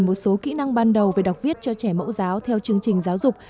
một số kỹ năng ban đầu về đọc viết cho trẻ mẫu giáo theo chương trình giáo dục